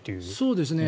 そうですね。